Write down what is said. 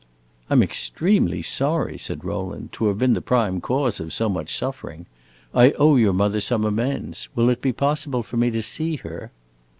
"I 'm extremely sorry," said Rowland, "to have been the prime cause of so much suffering. I owe your mother some amends; will it be possible for me to see her?"